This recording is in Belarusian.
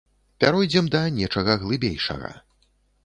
Пяройдзем да нечага глыбейшага.